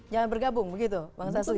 jangan bergabung begitu bangsa sulit